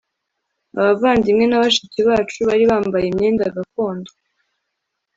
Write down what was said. ABAVANDIMWE na bashiki bacu bari bambaye imyenda gakondo